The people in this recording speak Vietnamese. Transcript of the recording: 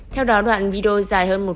theo đó đoạn video dài hơn một phút